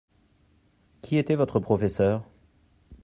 Qui était votre professeur ?